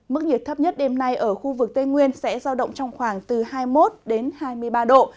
mức nhiệt thấp nhất đêm nay ở khu vực tây nguyên sẽ giao động trong khoảng từ hai mươi một đến hai mươi ba độ